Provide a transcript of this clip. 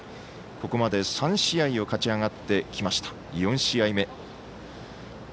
ここまで３試合を勝ち上がってきました、４試合目。